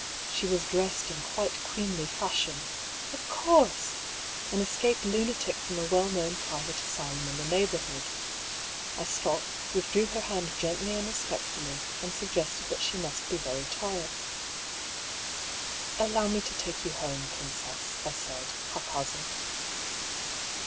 She was dressed in quite queenly fashion. Of course I An escaped lunatic from a well known private asylum in the neighbourhood. I stopped, withdrew her hand gently and respectfully, and suggested that she must be very tired. 46 DR. PAULL'S THEORY. *' Allow me to take you home, princess/' I said, haphazard.